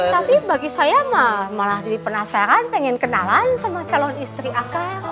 tapi bagi saya malah jadi penasaran pengen kenalan sama calon istri aka